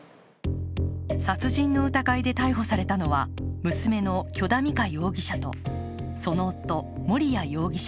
殺人の疑いで逮捕されたのは娘の許田美香容疑者と、その夫、盛哉容疑者。